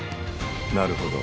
なるほど。